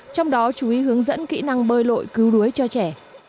trong đó chú ý hướng dẫn kỹ năng bơi lội cứu đuối cho trẻ